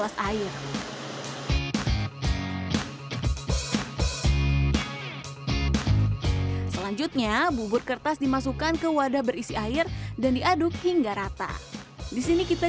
air selanjutnya bubur kertas dimasukkan ke wadah berisi air dan diaduk hingga rata disini kita